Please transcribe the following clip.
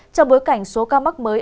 trong bối cảnh số ca mắc mới